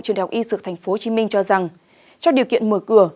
trường đại học y dược tp hcm cho rằng trong điều kiện mở cửa